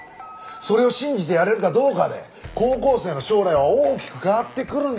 それを信じてやれるかどうかで高校生の将来は大きく変わってくるんだよ。